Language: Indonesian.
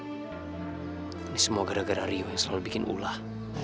ini semua gara gara rio yang selalu bikin ulah